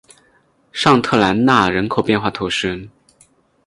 尚特兰讷人口变化图示